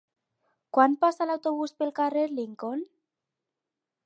Quan passa l'autobús pel carrer Lincoln?